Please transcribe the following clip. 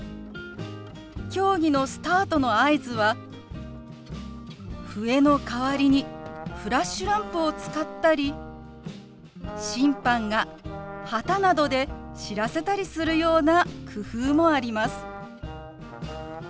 競技のスタートの合図は笛の代わりにフラッシュランプを使ったり審判が旗などで知らせたりするような工夫もあります。